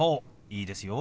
いいですよ。